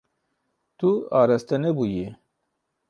Tu araste nebûyî.